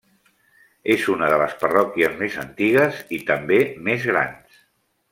És una de les parròquies més antigues i també més grans.